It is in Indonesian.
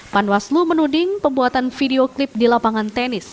panwaslu menuding pembuatan video klip di lapangan tenis